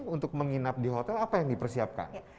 untuk menginap di hotel apa yang dipersiapkan